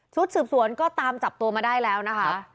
สืบสวนก็ตามจับตัวมาได้แล้วนะคะ